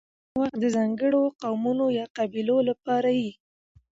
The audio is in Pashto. مېلې ځیني وخت د ځانګړو قومونو یا قبیلو له پاره يي.